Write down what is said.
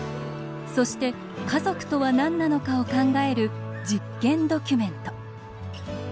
そして「家族」とはなんなのかを考える実験ドキュメント。